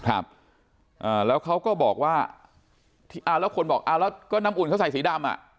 ครับอ่าแล้วเขาก็บอกว่าอ่าแล้วคนบอกอ่าแล้วก็น้ำอุ่นเขาใส่สีดำอ่ะ